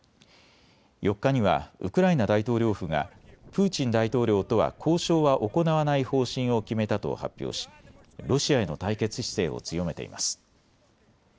４日にはウクライナ大統領府がプーチン大統領とは交渉は行わない方針を決めたと発表しロシアへの対決姿勢を強めています。